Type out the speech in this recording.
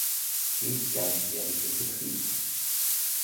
Sie ist ganzjährig in Betrieb.